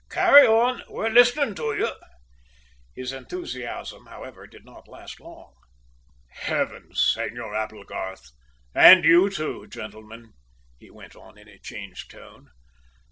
"Carry on; we're listening to you!" His enthusiasm, however, did not last very long. "Heavens! Senor Applegarth, and you, too, gentlemen," he went on in a changed tone.